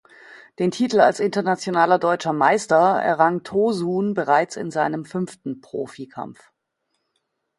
Den Titel als Internationaler Deutscher Meister errang Tosun bereits in seinem fünften Profikampf.